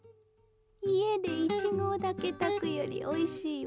家で１合だけ炊くよりおいしいわ。